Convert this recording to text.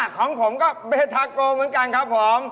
ข้องผมก็เป้นเทคโกอ่เหมือนกันครับ